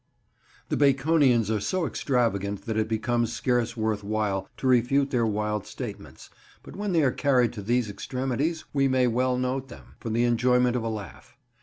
THE Baconians are so extravagant that it becomes scarce worth while to refute their wild statements; but when they are carried to these extremities we may well note them, for the enjoyment of a laugh.